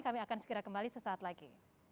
kami akan segera kembali sesaat lagi